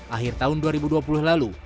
akhir tahun dua ribu dua puluh lalu